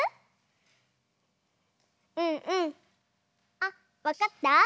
あわかった？